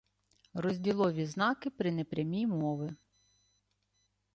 Розділові знаки при непрямій мови